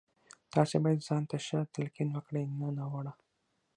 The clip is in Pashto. تاسې بايد ځان ته ښه تلقين وکړئ نه ناوړه.